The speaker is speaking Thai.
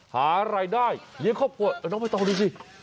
หารายได้เลี้ยงข้อผลน้องไว้ต่อดูสิ